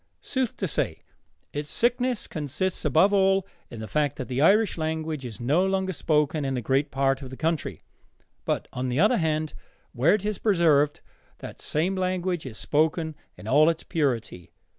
Sooth to say, its sickness consists above all in the fact that the Irish language is no longer spoken in a great part of the country. But, on the other hand, where it is preserved, that same language is spoken in all its purity.